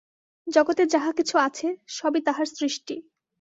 জগতে যাহা কিছু আছে, সবই তাঁহার সৃষ্টি।